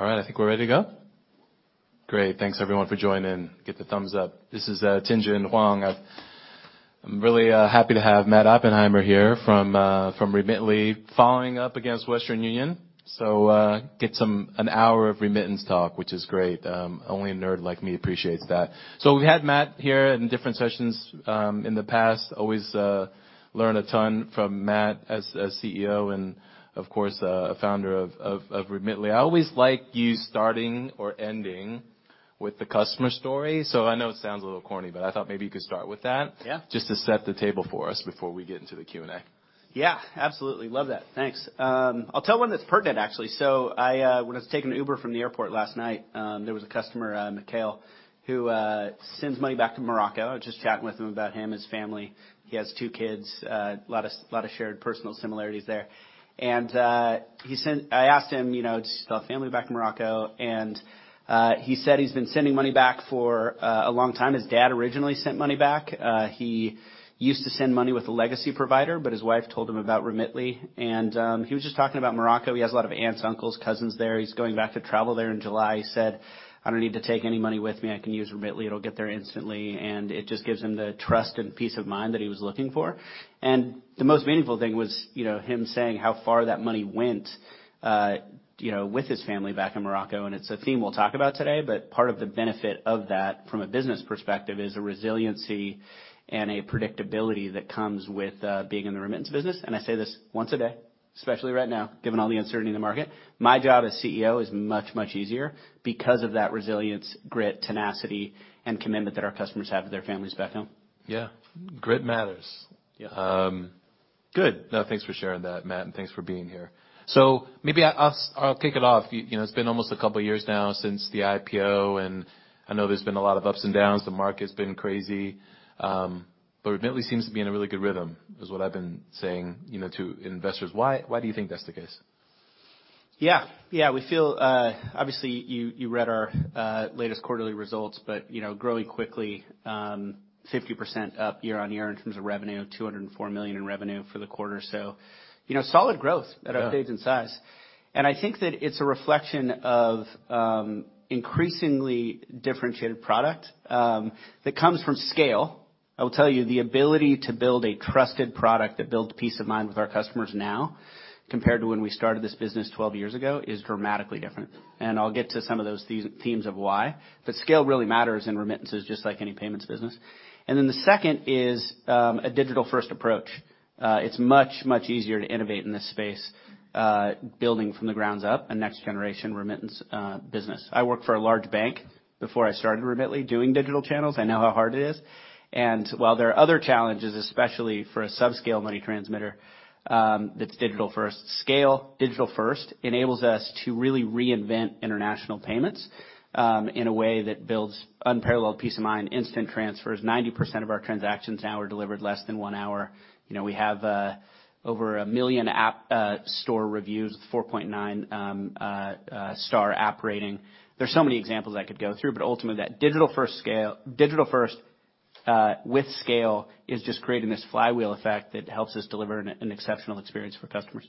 All right, I think we're ready to go. Great. Thanks everyone for joining in. Get the thumbs up. This is Tien-tsin Huang. I'm really happy to have Matt Oppenheimer here from Remitly following up against Western Union. Get some an hour of remittance talk, which is great. Only a nerd like me appreciates that. We had Matt here in different sessions in the past. Always learn a ton from Matt as CEO and, of course, founder of Remitly. I always like you starting or ending with the customer story. I know it sounds a little corny, but I thought maybe you could start with that. Yeah. Just to set the table for us before we get into the Q&A. Yeah, absolutely. Love that. Thanks. I'll tell one that's pertinent, actually. When I was taking an Uber from the airport last night, there was a customer, Michael, who sends money back to Morocco. Just chatting with him about him, his family. He has two kids. A lot of, lot of shared personal similarities there. I asked him, you know, just about family back in Morocco, he said he's been sending money back for a long time. His dad originally sent money back. He used to send money with a legacy provider, but his wife told him about Remitly. He was just talking about Morocco. He has a lot of aunts, uncles, cousins there. He's going back to travel there in July. He said, "I don't need to take any money with me. I can use Remitly. It'll get there instantly." It just gives him the trust and peace of mind that he was looking for. The most meaningful thing was, you know, him saying how far that money went, you know, with his family back in Morocco, and it's a theme we'll talk about today. Part of the benefit of that from a business perspective is a resiliency and a predictability that comes with being in the remittance business. I say this once a day, especially right now, given all the uncertainty in the market, my job as CEO is much, much easier because of that resilience, grit, tenacity and commitment that our customers have with their families back home. Yeah, great matters. Yeah. Good. No, thanks for sharing that, Matt, and thanks for being here. Maybe I'll kick it off. You know, it's been almost a couple years now since the IPO, and I know there's been a lot of ups and downs. The market's been crazy. Remitly seems to be in a really good rhythm, is what I've been saying, you know, to investors. Why do you think that's the case? Yeah. Yeah, we feel, obviously you read our latest quarterly results, but, you know, growing quickly, 50% up year-over-year in terms of revenue, $204 million in revenue for the quarter. You know, solid growth- Yeah. -at our stage and size. I think that it's a reflection of increasingly differentiated product that comes from scale. I will tell you, the ability to build a trusted product that builds peace of mind with our customers now compared to when we started this business 12 years ago is dramatically different. I'll get to some of those themes of why. Scale really matters in remittances, just like any payments business. The second is a digital-first approach. It's much, much easier to innovate in this space, building from the grounds up a next generation remittance business. I worked for a large bank before I started Remitly doing digital channels. I know how hard it is. While there are other challenges, especially for a subscale money transmitter, that's digital first, scale digital first enables us to really reinvent international payments, in a way that builds unparalleled peace of mind, instant transfers. 90% of our transactions now are delivered less than one hour. You know, we have over one million App Store reviews, 4.9 star app rating. There's so many examples I could go through, but ultimately, that digital first with scale is just creating this flywheel effect that helps us deliver an exceptional experience for customers.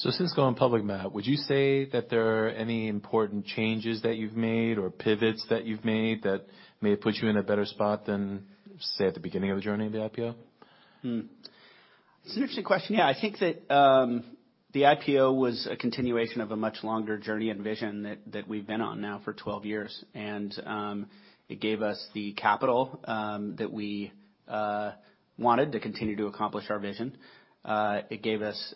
Since going public, Matt, would you say that there are any important changes that you've made or pivots that you've made that may have put you in a better spot than, say, at the beginning of the journey of the IPO? It's an interesting question. Yeah, I think that, the IPO was a continuation of a much longer journey and vision that we've been on now for 12 years. It gave us the capital, that we wanted to continue to accomplish our vision. It gave us,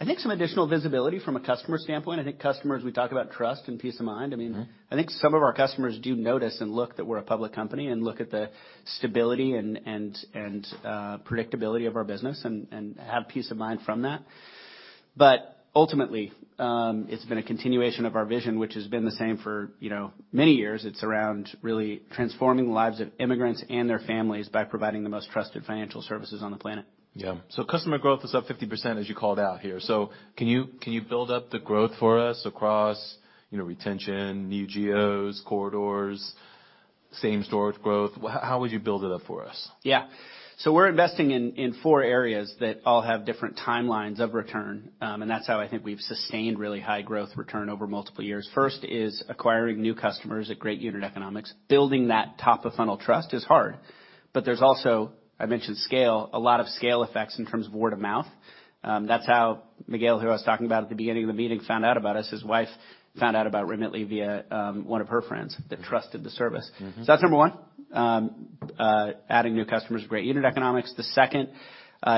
I think some additional visibility from a customer standpoint. I think customers, we talk about trust and peace of mind. Mm-hmm. I think some of our customers do notice and look that we're a public company and look at the stability and predictability of our business and have peace of mind from that. Ultimately, it's been a continuation of our vision, which has been the same for, you know, many years. It's around really transforming the lives of immigrants and their families by providing the most trusted financial services on the planet. Yeah. Customer growth is up 50%, as you called out here. Can you build up the growth for us across, you know, retention, new geos, corridors, same-store growth? How would you build it up for us? Yeah. We're investing in four areas that all have different timelines of return, and that's how I think we've sustained really high growth return over multiple years. First is acquiring new customers at great unit economics. Building that top-of-funnel trust is hard. There's also, I mentioned scale, a lot of scale effects in terms of word-of-mouth. That's how Miguel, who I was talking about at the beginning of the meeting, found out about us. His wife found out about Remitly via one of her friends that trusted the service. Mm-hmm. That's number one, adding new customers, great unit economics. The second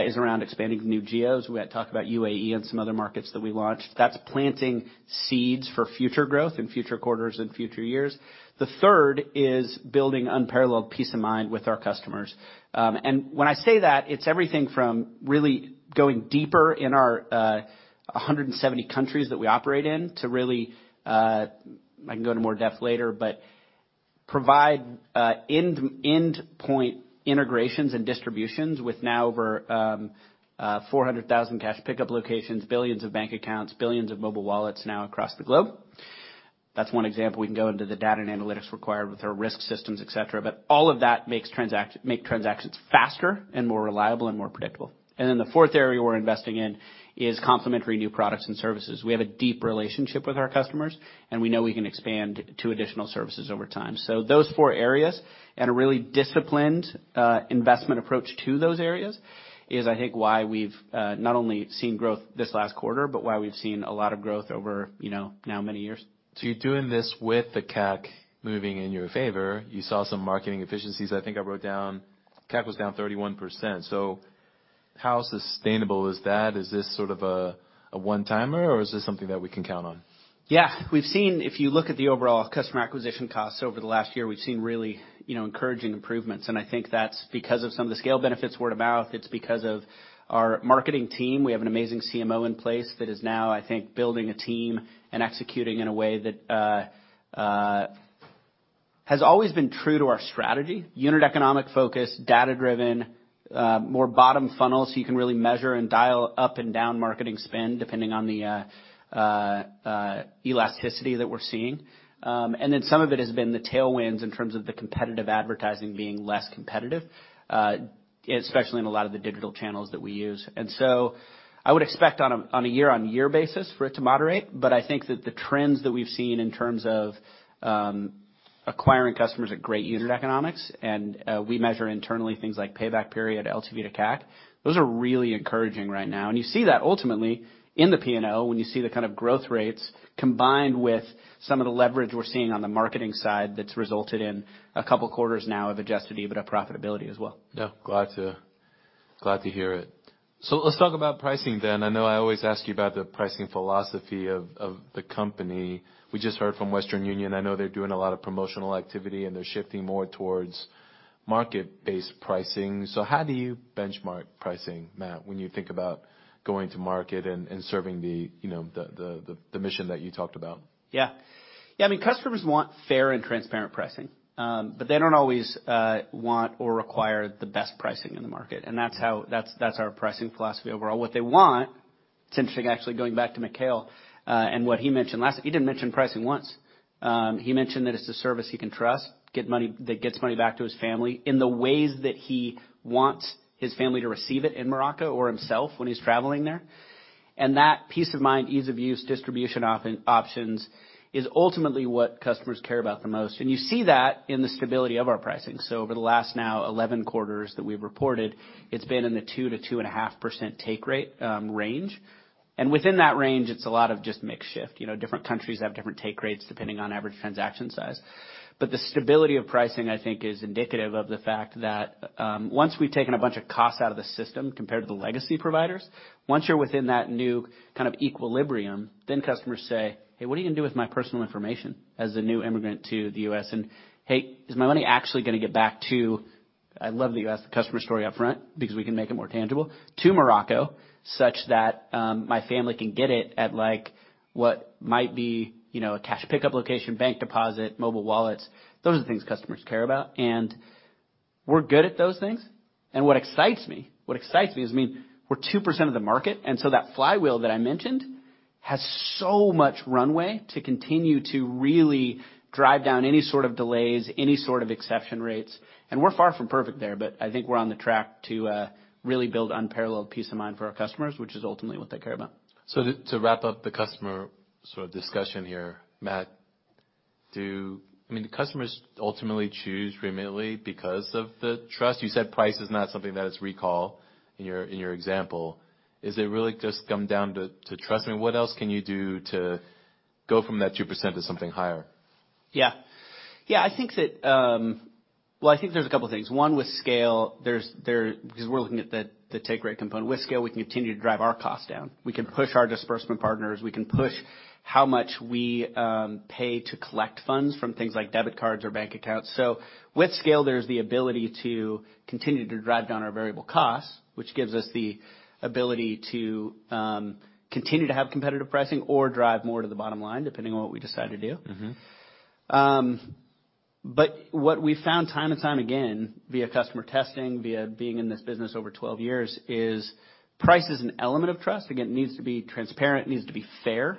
is around expanding new geos. We had talked about UAE and some other markets that we launched. That's planting seeds for future growth in future quarters and future years. The third is building unparalleled peace of mind with our customers. When I say that, it's everything from really going deeper in our 170 countries that we operate in to really, I can go into more depth later, but provide end point integrations and distributions with now over 400,000 cash pickup locations, billions of bank accounts, billions of mobile wallets now across the globe. That's one example. We can go into the data and analytics required with our risk systems, etc., but all of that makes transactions faster and more reliable and more predictable. The fourth area we're investing in is complementary new products and services. We have a deep relationship with our customers, we know we can expand to additional services over time. Those four areas and a really disciplined investment approach to those areas is, I think, why we've not only seen growth this last quarter, but why we've seen a lot of growth over, you know, now many years. You're doing this with the CAC moving in your favor. You saw some marketing efficiencies. I think I wrote down CAC was down 31%. How sustainable is that? Is this sort of a one-timer, or is this something that we can count on? Yeah. We've seen, if you look at the overall customer acquisition costs over the last year, we've seen really, you know, encouraging improvements, and I think that's because of some of the scale benefits, word of mouth. It's because of our marketing team. We have an amazing CMO in place that is now, I think, building a team and executing in a way that has always been true to our strategy. Unit economic focus, data-driven, more bottom funnel, so you can really measure and dial up and down marketing spend depending on the elasticity that we're seeing. Some of it has been the tailwinds in terms of the competitive advertising being less competitive, especially in a lot of the digital channels that we use. I would expect on a, on a year-over-year basis for it to moderate, but I think that the trends that we've seen in terms of acquiring customers at great unit economics, and we measure internally things like payback period, LTV to CAC, those are really encouraging right now. You see that ultimately in the P&L when you see the kind of growth rates combined with some of the leverage we're seeing on the marketing side that's resulted in a couple of quarters now of Adjusted EBITDA profitability as well. Yeah. Glad to hear it. Let's talk about pricing then. I know I always ask you about the pricing philosophy of the company. We just heard from Western Union. I know they're doing a lot of promotional activity, and they're shifting more towards market-based pricing. How do you benchmark pricing, Matt, when you think about going to market and serving the, you know, the mission that you talked about? Yeah. Yeah, I mean, customers want fair and transparent pricing, but they don't always want or require the best pricing in the market. That's our pricing philosophy overall. What they want, it's interesting actually going back to Michael, and what he mentioned last. He didn't mention pricing once. He mentioned that it's a service he can trust, that gets money back to his family in the ways that he wants his family to receive it in Morocco or himself when he's traveling there. That peace of mind, ease of use, distribution options is ultimately what customers care about the most. You see that in the stability of our pricing. Over the last now 11 quarters that we've reported, it's been in the 2% to 2.5% take rate range. Within that range, it's a lot of just mix shift. You know, different countries have different take rates depending on average transaction size. The stability of pricing, I think, is indicative of the fact that once we've taken a bunch of costs out of the system compared to the legacy providers, once you're within that new kind of equilibrium, then customers say, "Hey, what are you gonna do with my personal information as a new immigrant to the U.S.?" "Hey, is my money actually gonna get back to..." I love that you asked the customer story up front because we can make it more tangible, "To Morocco such that my family can get it at, like, what might be, you know, a cash pickup location, bank deposit, mobile wallets?" Those are the things customers care about, and we're good at those things. What excites me is, I mean, we're 2% of the market, and so that flywheel that I mentioned has so much runway to continue to really drive down any sort of delays, any sort of exception rates. We're far from perfect there, but I think we're on the track to really build unparalleled peace of mind for our customers, which is ultimately what they care about. To wrap up the customer sort of discussion here, Matt, I mean, do customers ultimately choose Remitly because of the trust? You said price is not something that is recall in your example. Is it really just come down to trust? I mean, what else can you do to go from that 2% to something higher? Yeah. Yeah, I think that. I think there's a couple things. One, with scale, because we're looking at the take rate component. With scale, we can continue to drive our costs down. We can push our disbursement partners. We can push how much we pay to collect funds from things like debit cards or bank accounts. With scale, there's the ability to continue to drive down our variable costs, which gives us the ability to continue to have competitive pricing or drive more to the bottom line, depending on what we decide to do. Mm-hmm. What we found time and time again via customer testing, via being in this business over 12 years, is price is an element of trust. Again, it needs to be transparent, it needs to be fair,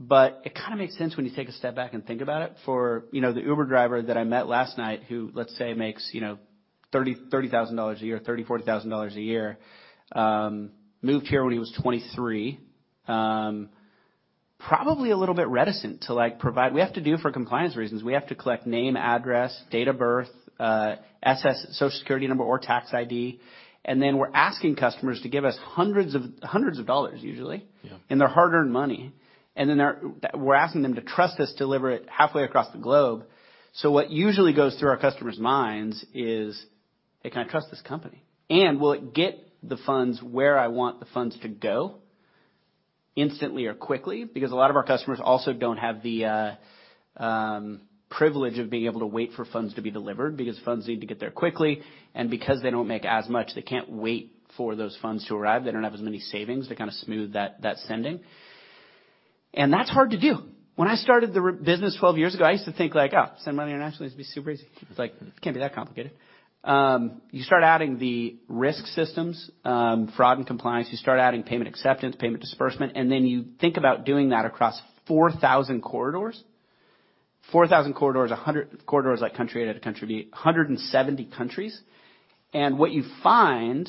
but it kinda makes sense when you take a step back and think about it. For, you know, the Uber driver that I met last night who, let say, makes, you know, $30,000 a year, $30,000-$40,000 a year, moved here when he was 23, probably a little bit reticent to, like, provide. We have to do for compliance reasons, we have to collect name, address, date of birth, SS, Social Security number or tax ID, and then we're asking customers to give us hundreds of dollars usually. Yeah. Their hard-earned money, we're asking them to trust us to deliver it halfway across the globe. What usually goes through our customers' minds is, "Hey, can I trust this company? Will it get the funds where I want the funds to go instantly or quickly?" A lot of our customers also don't have the privilege of being able to wait for funds to be delivered because funds need to get there quickly and because they don't make as much, they can't wait for those funds to arrive. They don't have as many savings to kind of smooth that sending. That's hard to do. When I started the business 12 years ago, I used to think like, "Oh, send money internationally, it's gonna be super easy." It's like, it can't be that complicated. You start adding the risk systems, fraud and compliance, you start adding payment acceptance, payment disbursement, you think about doing that across 4,000 corridors, 100 corridors out of country, in to country, 170 countries. What you find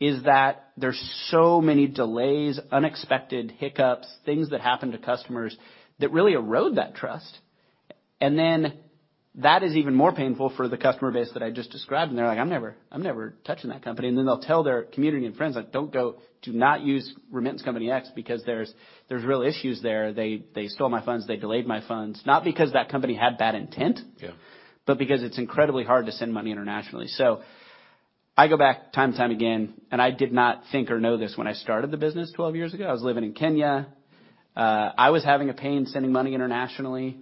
is that there's so many delays, unexpected hiccups, things that happen to customers that really erode that trust. That is even more painful for the customer base that I just described. They're like, "I'm never touching that company." They'll tell their community and friends, like, "Don't go. Do not use remittance company X because there's real issues there. They stole my funds, they delayed my funds," not because that company had bad intent. Yeah. Because it's incredibly hard to send money internationally. I go back time and time again, and I did not think or know this when I started the business 12 years ago. I was living in Kenya. I was having a pain sending money internationally.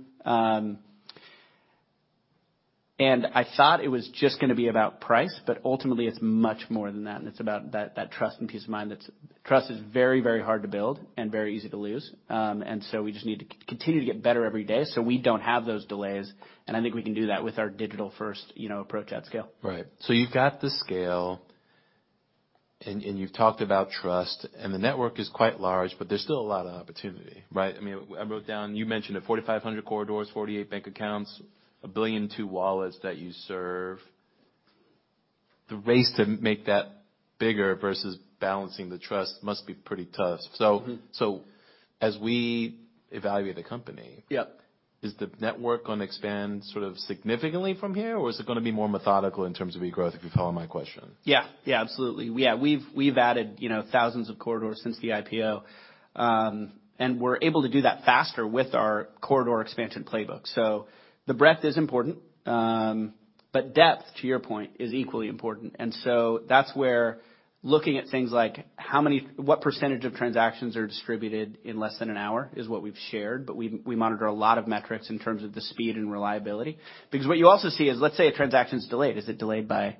I thought it was just gonna be about price, but ultimately, it's much more than that, and it's about that trust and peace of mind that's... Trust is very, very hard to build and very easy to lose. We just need to continue to get better every day, so we don't have those delays, and I think we can do that with our digital-first, you know, approach at scale. Right. You've got the scale, and you've talked about trust, and the network is quite large. There's still a lot of opportunity, right? I mean, I wrote down, you mentioned it, 4,500 corridors, 48 bank accounts, $1 billion and two wallets that you serve. The race to make that bigger versus balancing the trust must be pretty tough. Mm-hmm. As we evaluate the company- Yep. Is the network gonna expand sort of significantly from here, or is it gonna be more methodical in terms of your growth, if you follow my question? We've, we've added, you know, thousands of corridors since the IPO, and we're able to do that faster with our corridor expansion playbook. The breadth is important, but depth, to your point, is equally important. That's where looking at things like what percentage of transactions are distributed in less than an hour is what we've shared, but we monitor a lot of metrics in terms of the speed and reliability. What you also see is, let's say a transaction's delayed. Is it delayed by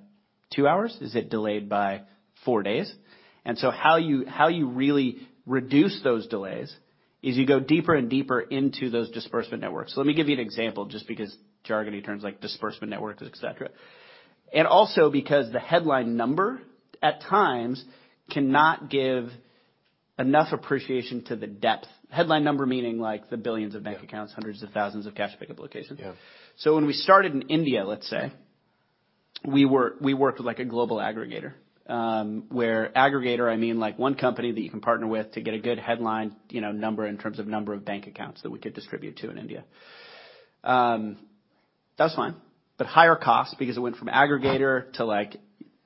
two hours? Is it delayed by four days? How you, how you really reduce those delays is you go deeper and deeper into those disbursement networks. Let me give you an example, just because jargony terms like disbursement networks, etc. Also because the headline number at times cannot give enough appreciation to the depth. Headline number meaning, like the billions of bank accounts. Yeah. Hundreds of thousands of cash pickup locations. Yeah. When we started in India, let's say, we worked with like a global aggregator, where aggregator, I mean like one company that you can partner with to get a good headline, you know, number in terms of number of bank accounts that we could distribute to in India. That was fine, but higher cost because it went from aggregator to like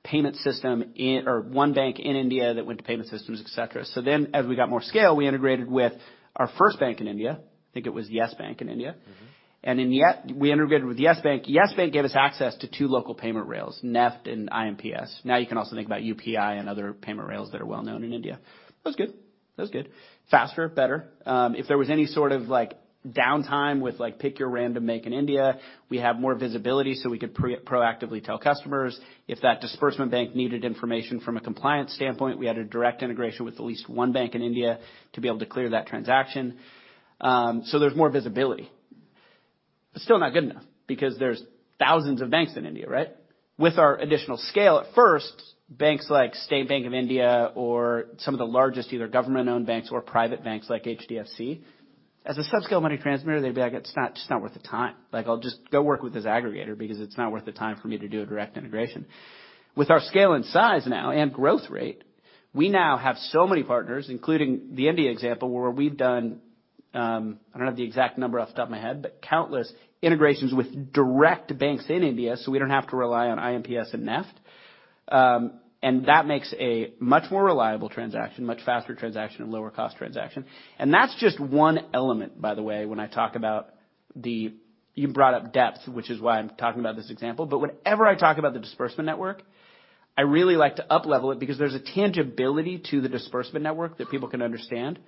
payment system or one bank in India that went to payment systems, et cetera. As we got more scale, we integrated with our first bank in India, I think it was YES BANK in India. Mm-hmm. In the end, we integrated with YES BANK. YES BANK gave us access to two local payment rails, NEFT and IMPS. You can also think about UPI and other payment rails that are well known in India. That was good. That was good. Faster, better. If there was any sort of like downtime with like pick your random bank in India, we have more visibility, so we could proactively tell customers if that disbursement bank needed information from a compliance standpoint, we had a direct integration with at least one bank in India to be able to clear that transaction. There's more visibility. It's still not good enough because there's thousands of banks in India, right? With our additional scale at first, banks like State Bank of India or some of the largest, either government-owned banks or private banks like HDFC, as a subscale money transmitter, they'd be like, "It's not worth the time. Like I'll just go work with this aggregator because it's not worth the time for me to do a direct integration." With our scale and size now and growth rate, we now have so many partners, including the India example, where we've done, I don't have the exact number off the top of my head, but countless integrations with direct banks in India, so we don't have to rely on IMPS and NEFT. That makes a much more reliable transaction, much faster transaction and lower cost transaction. That's just one element, by the way, when I talk about the... You brought up depth, which is why I'm talking about this example, but whenever I talk about the disbursement network, I really like to up-level it because there's a tangibility to the disbursement network that people can understand.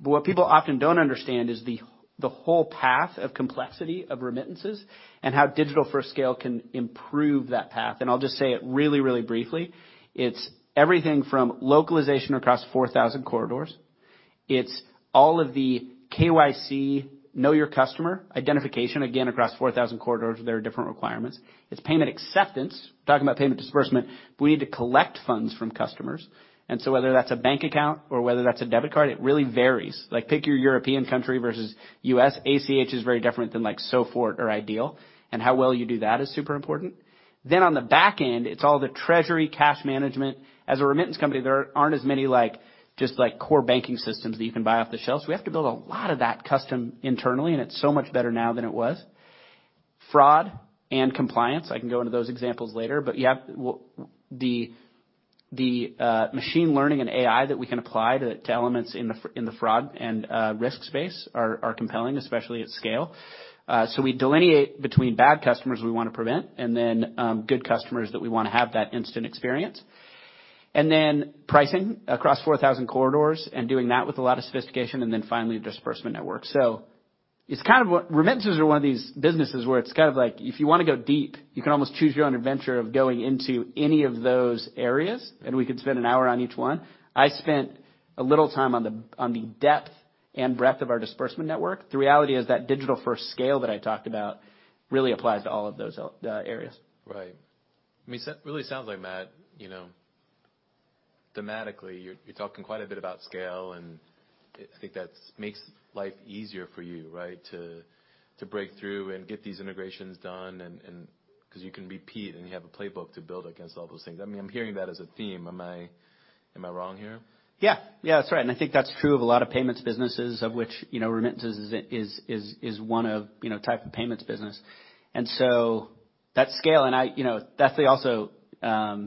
What people often don't understand is the whole path of complexity of remittances and how digital-first scale can improve that path. I'll just say it really, really briefly. It's everything from localization across 4,000 corridors. It's all of the KYC, know your customer, identification, again, across 4,000 corridors, there are different requirements. It's payment acceptance. Talking about payment disbursement, we need to collect funds from customers, and so whether that's a bank account or whether that's a debit card, it really varies. Like pick your European country versus U.S. ACH is very different than like SOFORT or iDEAL, and how well you do that is super important. On the back end, it's all the treasury cash management. As a remittance company, there aren't as many like, just like core banking systems that you can buy off the shelf, so we have to build a lot of that custom internally, and it's so much better now than it was. Fraud and compliance, I can go into those examples later, but yeah, the machine learning and AI that we can apply to elements in the fraud and risk space are compelling, especially at scale. We delineate between bad customers we wanna prevent and then good customers that we wanna have that instant experience. Pricing across 4,000 corridors and doing that with a lot of sophistication, and then finally, disbursement network. Remittances are one of these businesses where it's kind of like if you wanna go deep, you can almost choose your own adventure of going into any of those areas, and we could spend an hour on each one. I spent a little time on the, on the depth and breadth of our disbursement network. The reality is that digital-first scale that I talked about really applies to all of those areas. Right. I mean, really sounds like, Matt, you know. Thematically, you're talking quite a bit about scale, and I think that's makes life easier for you, right? To break through and get these integrations done and 'cause you can repeat and you have a playbook to build against all those things. I mean, I'm hearing that as a theme. Am I wrong here? Yeah. Yeah, that's right. I think that's true of a lot of payments businesses of which, you know, remittances is one of, you know, type of payments business. That scale. You know, that's also a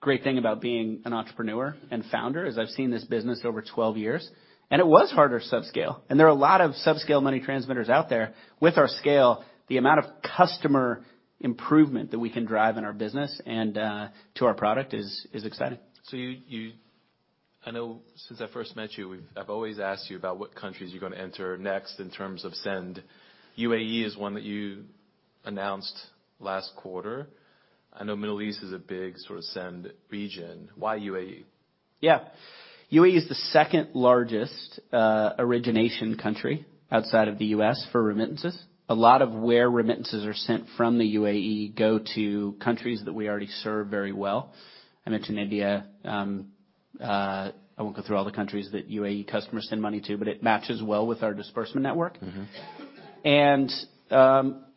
great thing about being an entrepreneur and founder, is I've seen this business over 12 years, and it was harder subscale. There are a lot of subscale money transmitters out there. With our scale, the amount of customer improvement that we can drive in our business and to our product is exciting. You, I know since I first met you, we've, I've always asked you about what countries you're gonna enter next in terms of send. UAE is one that you announced last quarter. I know Middle East is a big sort of send region. Why UAE? Yeah. UAE is the second-largest origination country outside of the U.S. for remittances. A lot of where remittances are sent from the UAE go to countries that we already serve very well. I mentioned India. I won't go through all the countries that UAE customers send money to, but it matches well with our disbursement network. Mm-hmm.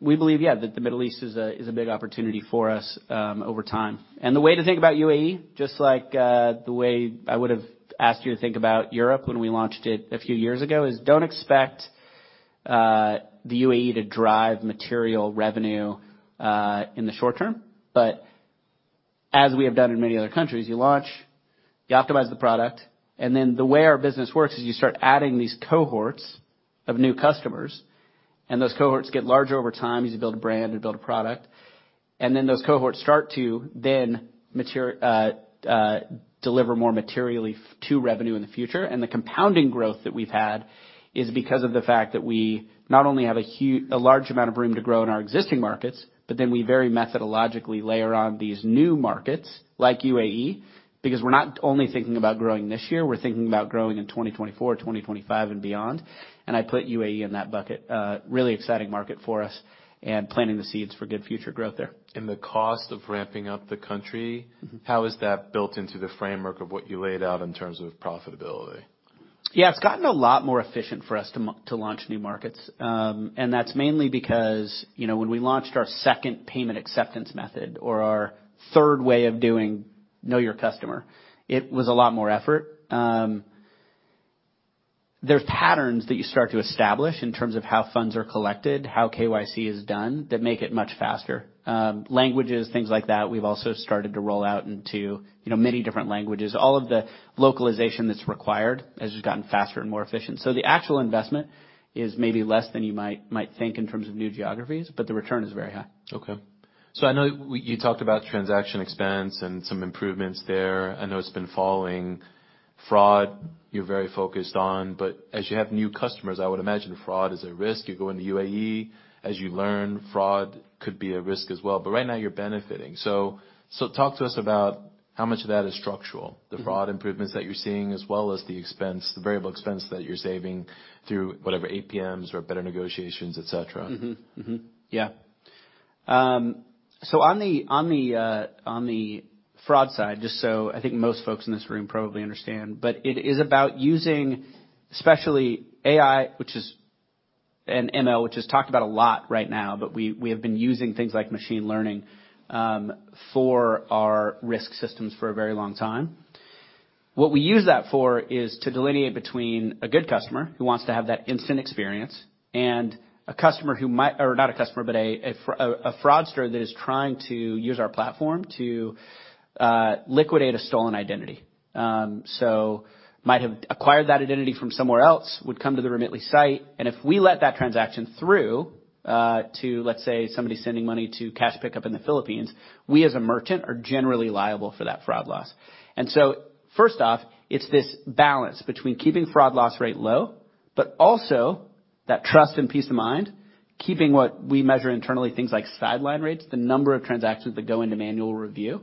We believe, yeah, that the Middle East is a big opportunity for us over time. The way to think about UAE, just like the way I would've asked you to think about Europe when we launched it a few years ago, is don't expect the UAE to drive material revenue in the short term. As we have done in many other countries, you launch, you optimize the product, and then the way our business works is you start adding these cohorts of new customers, and those cohorts get larger over time as you build a brand, you build a product. Then those cohorts start to then mature, deliver more materially to revenue in the future. The compounding growth that we've had is because of the fact that we not only have a large amount of room to grow in our existing markets, but then we very methodologically layer on these new markets like UAE, because we're not only thinking about growing this year, we're thinking about growing in 2024, 2025 and beyond. I put UAE in that bucket. really exciting market for us and planting the seeds for good future growth there. The cost of ramping up the country, how is that built into the framework of what you laid out in terms of profitability? Yeah, it's gotten a lot more efficient for us to launch new markets. That's mainly because, you know, when we launched our second payment acceptance method or our third way of doing know your customer, it was a lot more effort. There's patterns that you start to establish in terms of how funds are collected, how KYC is done that make it much faster. Languages, things like that, we've also started to roll out into, you know, many different languages. All of the localization that's required has just gotten faster and more efficient. The actual investment is maybe less than you might think in terms of new geographies, but the return is very high. Okay. I know you talked about transaction expense and some improvements there. I know it's been following fraud you're very focused on, but as you have new customers, I would imagine fraud is a risk. You go into UAE, as you learn, fraud could be a risk as well, but right now you're benefiting. Talk to us about how much of that is structural- Mm-hmm. -the fraud improvements that you're seeing, as well as the expense, the variable expense that you're saving through whatever APMs or better negotiations, etc. Yeah. On the, on the fraud side, just I think most folks in this room probably understand, it is about using, especially AI, which is... and ML, which is talked about a lot right now, we have been using things like machine learning for our risk systems for a very long time. What we use that for is to delineate between a good customer who wants to have that instant experience and a customer who might... Not a customer, but a fraudster that is trying to use our platform to liquidate a stolen identity. Might have acquired that identity from somewhere else, would come to the Remitly site, and if we let that transaction through, to, let's say, somebody sending money to cash pickup in the Philippines, we, as a merchant, are generally liable for that fraud loss. First off, it's this balance between keeping fraud loss rate low, but also that trust and peace of mind, keeping what we measure internally, things like sideline rates, the number of transactions that go into manual review.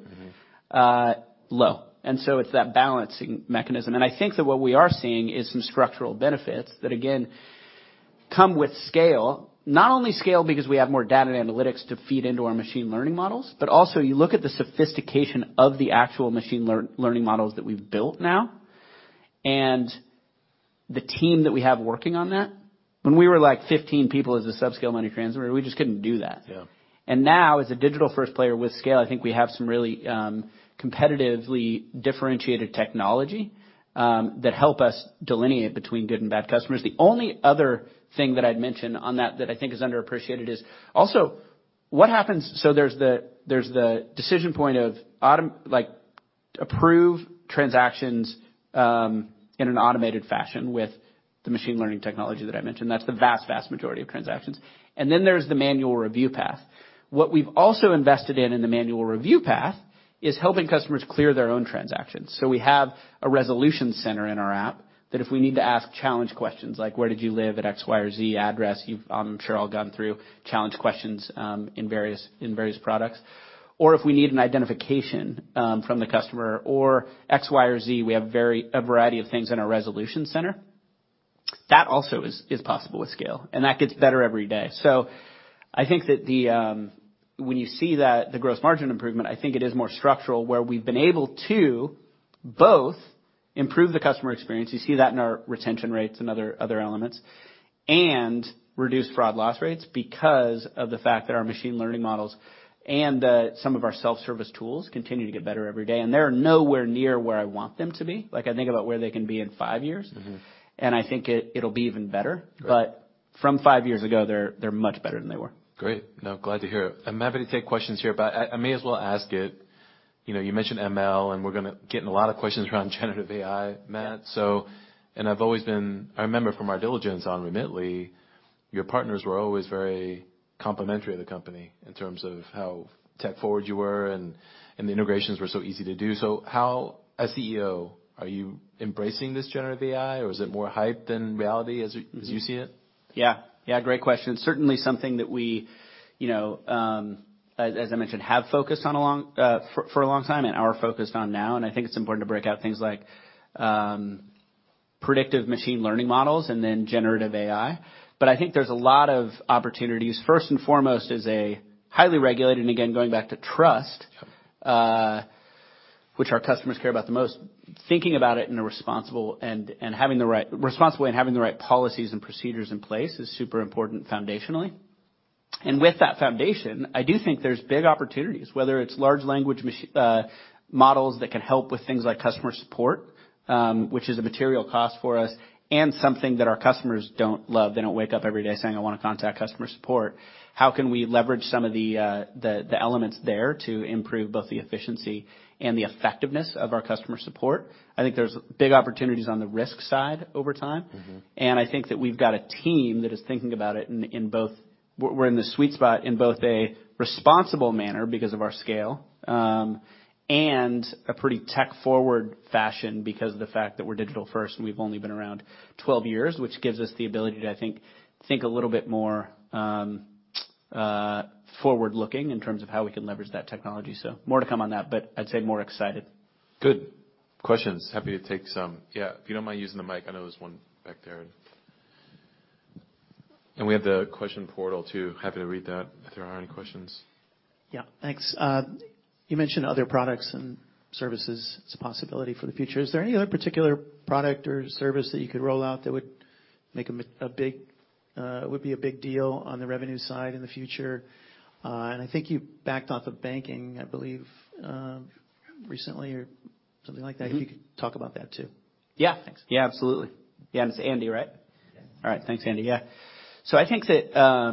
Mm-hmm. Low so it's that balancing mechanism. I think that what we are seeing is some structural benefits that, again, come with scale. Not only scale because we have more data and analytics to feed into our machine learning models, but also you look at the sophistication of the actual machine learning models that we've built now and the team that we have working on that. When we were like 15 people as a subscale money transmitter, we just couldn't do that. Yeah. As a digital-first player with scale, I think we have some really competitively differentiated technology that help us delineate between good and bad customers. The only other thing that I'd mention on that that I think is underappreciated is also what happens. There's the decision point of like, approve transactions in an automated fashion with the machine learning technology that I mentioned. That's the vast majority of transactions. There's the manual review path. What we've also invested in in the manual review path is helping customers clear their own transactions. We have a resolution center in our app that if we need to ask challenge questions like, "Where did you live at X, Y, or Z address?" You've, I'm sure, all gone through challenge questions in various products. If we need an identification from the customer or X, Y, or Z, we have a variety of things in our resolution center. That also is possible with scale, and that gets better every day. I think that the when you see that, the gross margin improvement, I think it is more structural, where we've been able to both improve the customer experience, you see that in our retention rates and other elements, and reduce fraud loss rates because of the fact that our machine learning models and some of our self-service tools continue to get better every day. They are nowhere near where I want them to be, like I think about where they can be in five years. Mm-hmm. I think it'll be even better. Right. From five years ago, they're much better than they were. Great. No, glad to hear it. I'm happy to take questions here, but I may as well ask it. You know, you mentioned ML, and we're gonna getting a lot of questions around generative AI, Matt. Yeah. So I've always been remember from our diligence on Remitly, your partners were always very complimentary of the company in terms of how tech forward you were and the integrations were so easy to do. How, as CEO, are you embracing this generative AI, or is it more hype than reality as you see it? Yeah. Yeah, great question. It's certainly something that we, you know, as I mentioned, have focused on a long time and are focused on now. I think it's important to break out things like predictive machine learning models and then generative AI. I think there's a lot of opportunities. First and foremost is a highly regulated, again, going back to trust- Yep. which our customers care about the most, thinking about it in a responsible way and having the right policies and procedures in place is super important foundationally. With that foundation, I do think there's big opportunities, whether it's large language models that can help with things like customer support, which is a material cost for us and something that our customers don't love. They don't wake up every day saying, "I wanna contact customer support." How can we leverage some of the elements there to improve both the efficiency and the effectiveness of our customer support? I think there's big opportunities on the risk side over time. Mm-hmm. I think that we've got a team that is thinking about it. We're in the sweet spot in both a responsible manner because of our scale, and a pretty tech forward fashion because of the fact that we're digital first and we've only been around 12 years, which gives us the ability to, I think a little bit more, forward-looking in terms of how we can leverage that technology. More to come on that, but I'd say more excited. Good. Questions. Happy to take some. Yeah, if you don't mind using the mic. I know there's one back there. We have the question portal too. Happy to read that if there are any questions. Yeah. Thanks. You mentioned other products and services as a possibility for the future. Is there any other particular product or service that you could roll out that would make a big would be a big deal on the revenue side in the future? I think you backed off of banking, I believe, recently or something like that. Mm-hmm. If you could talk about that too. Yeah. Thanks. Yeah, absolutely. Yeah. It's Andy, right? Yeah. All right. Thanks, Andy. Yeah. I think that, as I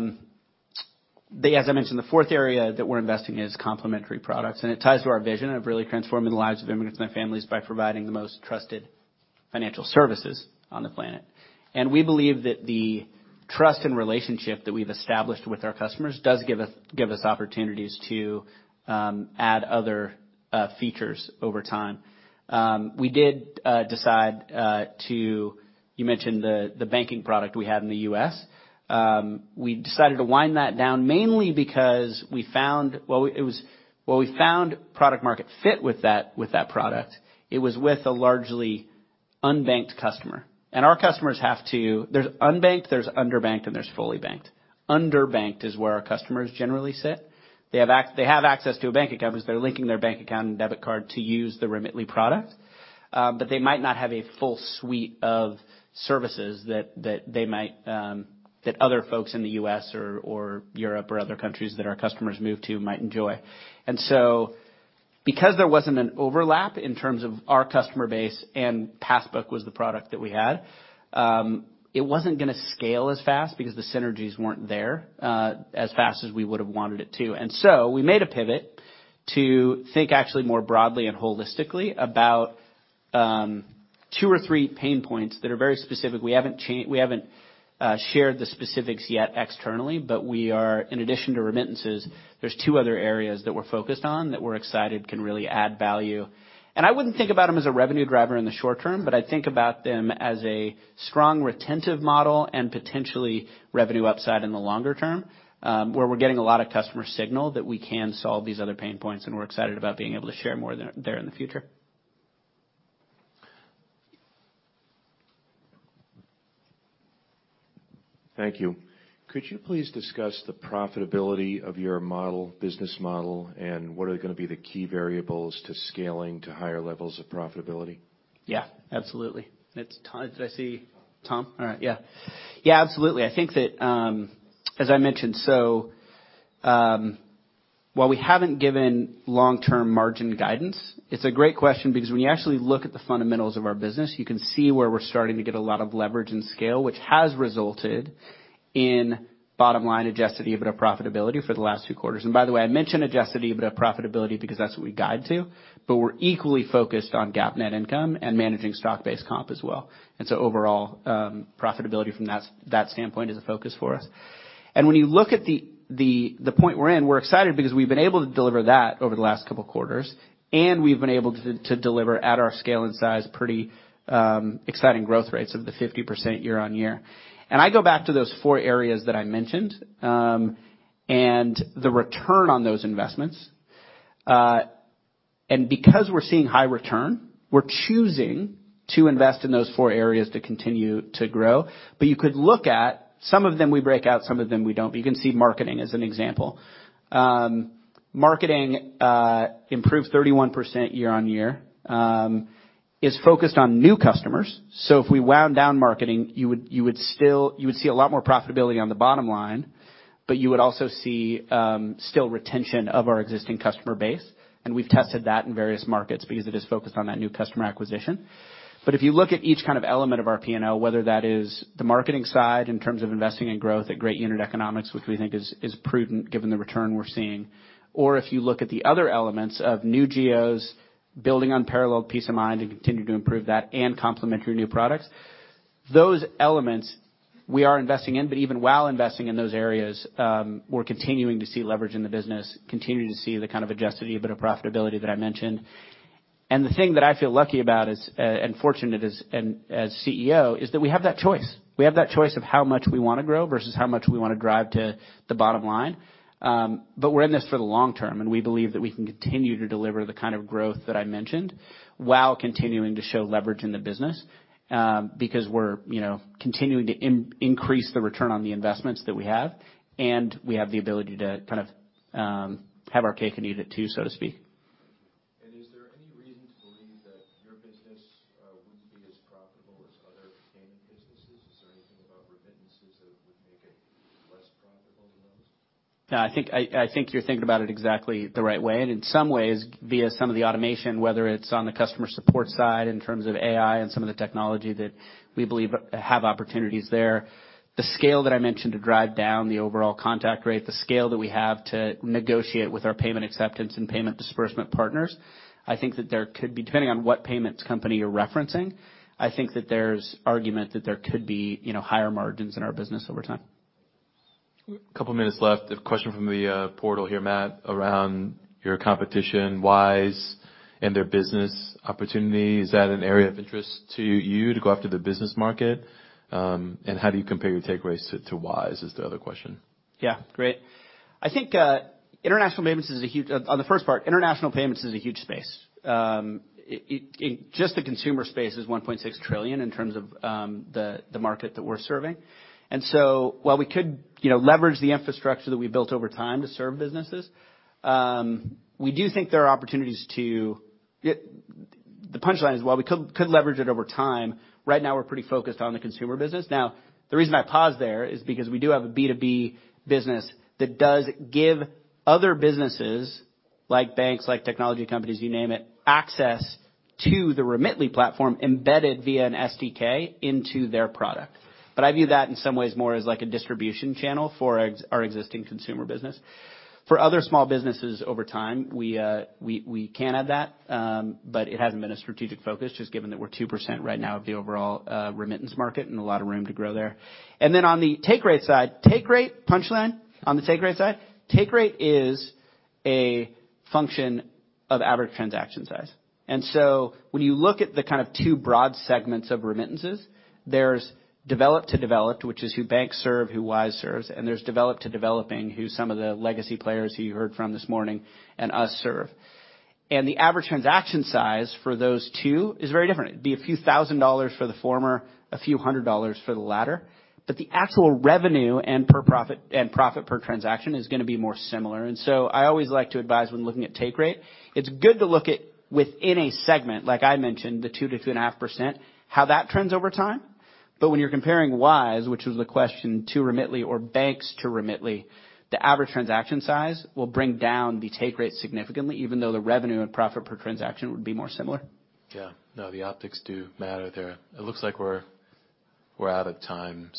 mentioned, the fourth area that we're investing in is complementary products, and it ties to our vision of really transforming the lives of immigrants and their families by providing the most trusted financial services on the planet. We believe that the trust and relationship that we've established with our customers does give us opportunities to add other features over time. We did decide to. You mentioned the banking product we had in the U.S. We decided to wind that down mainly because we found. While we found product market fit with that product, it was with a largely unbanked customer. Our customers have to. There's unbanked, there's underbanked, and there's fully banked. Underbanked is where our customers generally sit. They have access to a bank account because they're linking their bank account and debit card to use the Remitly product, but they might not have a full suite of services that they might, that other folks in the U.S. or Europe or other countries that our customers move to, might enjoy. Because there wasn't an overlap in terms of our customer base, and Passbook was the product that we had, it wasn't gonna scale as fast because the synergies weren't there, as fast as we would've wanted it to. We made a pivot to think actually more broadly and holistically about, two or three pain points that are very specific. We haven't shared the specifics yet externally, but we are, in addition to remittances, there's two other areas that we're focused on that we're excited can really add value. I wouldn't think about them as a revenue driver in the short term, but I think about them as a strong retentive model and potentially revenue upside in the longer term, where we're getting a lot of customer signal that we can solve these other pain points, and we're excited about being able to share more there in the future. Thank you. Could you please discuss the profitability of your model, business model, and what are gonna be the key variables to scaling to higher levels of profitability? Yeah, absolutely. Did I see Tom? All right. Yeah. Yeah, absolutely. I think that, as I mentioned, while we haven't given long-term margin guidance, it's a great question because when you actually look at the fundamentals of our business, you can see where we're starting to get a lot of leverage and scale, which has resulted in bottom line Adjusted EBITDA profitability for the last few quarters. By the way, I mention Adjusted EBITDA profitability because that's what we guide to, but we're equally focused on GAAP net income and managing stock-based comp as well. Overall, profitability from that standpoint is a focus for us. When you look at the point we're in, we're excited because we've been able to deliver that over the last couple quarters, and we've been able to deliver at our scale and size, pretty exciting growth rates of the 50% year-over-year. I go back to those four areas that I mentioned, and the return on those investments. Because we're seeing high return, we're choosing to invest in those four areas to continue to grow. You could look at some of them, we break out, some of them we don't. You can see marketing as an example. Marketing improved 31% year-over-year, is focused on new customers. If we wound down marketing, you would still... You would see a lot more profitability on the bottom line, but you would also see, still retention of our existing customer base. We've tested that in various markets because it is focused on that new customer acquisition. If you look at each kind of element of our P&L, whether that is the marketing side in terms of investing in growth at great unit economics, which we think is prudent given the return we're seeing, or if you look at the other elements of new geos, building unparalleled peace of mind and continuing to improve that and complementary new products, those elements we are investing in. Even while investing in those areas, we're continuing to see leverage in the business, continuing to see the kind of Adjusted EBITDA profitability that I mentioned. The thing that I feel lucky about is, and fortunate as, and as CEO, is that we have that choice. We have that choice of how much we wanna grow versus how much we wanna drive to the bottom line. We're in this for the long term, and we believe that we can continue to deliver the kind of growth that I mentioned while continuing to show leverage in the business, because we're, you know, continuing to increase the return on the investments that we have, and we have the ability to kind of, have our cake and eat it too, so to speak. Is there any reason to believe that your business wouldn't be as profitable as other payment businesses? Is there anything about remittances that would make it less profitable than those? No, I think, I think you're thinking about it exactly the right way and in some ways via some of the automation, whether it's on the customer support side in terms of AI and some of the technology that we believe have opportunities there. The scale that I mentioned to drive down the overall contact rate, the scale that we have to negotiate with our payment acceptance and payment disbursement partners, I think that there could be, depending on what payments company you're referencing, argument that there could be, you know, higher margins in our business over time. Couple minutes left. A question from the portal here, Matt, around your competition Wise and their business opportunity. Is that an area of interest to you to go after the business market? How do you compare your take rates to Wise, is the other question. Yeah. Great. I think international payments is a huge space. It, just the consumer space is $1.6 trillion in terms of the market that we're serving. While we could, you know, leverage the infrastructure that we've built over time to serve businesses, we do think there are opportunities to. The punchline is while we could leverage it over time, right now we're pretty focused on the consumer business. Now, the reason I paused there is because we do have a B2B business that does give other businesses, like banks, like technology companies, you name it, access to the Remitly platform embedded via an SDK into their product. I view that in some ways more as like a distribution channel for our existing consumer business. For other small businesses over time, we can add that, but it hasn't been a strategic focus, just given that we're 2% right now of the overall remittance market and a lot of room to grow there. On the take rate side, take rate punch line on the take rate side, take rate is a function of average transaction size. When you look at the kind of twobroad segments of remittances, there's developed to developed, which is who banks serve, who Wise serves, and there's developed to developing, who some of the legacy players who you heard from this morning and us serve. The average transaction size for those two is very different. It'd be a few thousand dollars for the former, a few hundred dollars for the latter, but the actual revenue and profit per transaction is gonna be more similar. I always like to advise when looking at take rate, it's good to look at within a segment, like I mentioned, the 2%-2.5%, how that trends over time. When you're comparing Wise, which was the question, to Remitly or banks to Remitly, the average transaction size will bring down the take rate significantly, even though the revenue and profit per transaction would be more similar. Yeah. No, the optics do matter there. It looks like we're out of time.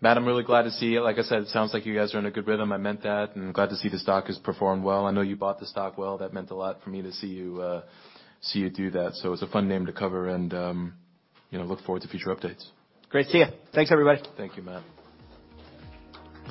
Matt, I'm really glad to see you. Like I said, it sounds like you guys are in a good rhythm. I meant that. Glad to see the stock has performed well. I know you bought the stock well. That meant a lot for me to see you see you do that. It's a fun name to cover and, you know, look forward to future updates. Great seeing you. Thanks, everybody. Thank you, Matt.